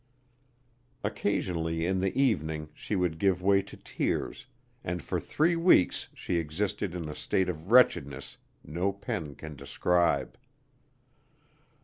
Occasionally in the evening she would give way to tears, and for three weeks she existed in a state of wretchedness no pen can describe.